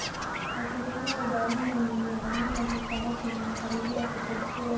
asilimia arobaini ya aina za samaki zinakaribia kupotea